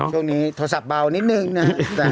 ช่วงนี้โทรศัพท์เบานิดหนึ่งนะฮะ